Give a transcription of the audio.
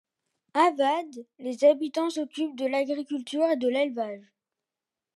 À Vad, les habitants s'occupent de l'agriculture et de l'élevage.